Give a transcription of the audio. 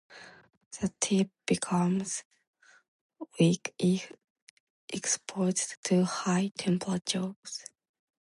The tape becomes weak if exposed to high temperatures.